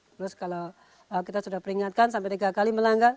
terus kalau kita sudah peringatkan sampai tiga kali melanggar